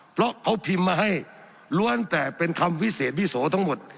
เพราะเขาพิมพ์มาให้ล้วนแต่เป็นคำวิเศษวิโสทั้งหมด